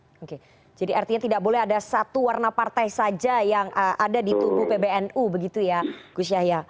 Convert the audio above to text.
oke jadi artinya tidak boleh ada satu warna partai saja yang ada di tubuh pbnu begitu ya gus yahya